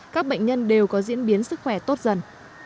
các bệnh nhân đều có diễn biến sức khỏe tốt dần